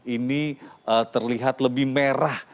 ini terlihat lebih merah